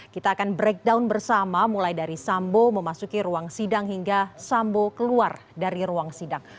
kita akan breakdown bersama mulai dari sambo memasuki ruang sidang hingga sambo keluar dari ruang sidang